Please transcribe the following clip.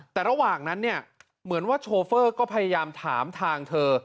แต่ระหว่างนั้นเนี่ยเหมือนว่าโชเฟอร์ก็พยายามถามทางเธอ